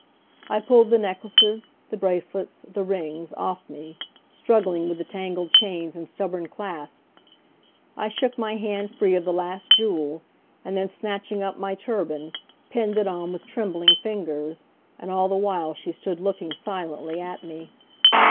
I pulled the necklaces, the bracelets, the rings, off me, struggling with the tangled chains and stubborn clasps. I shook my hand free of the last jewel, and then snatching up my turban, pinned it on with trembling fingers, and all the while she stood looking silently at me.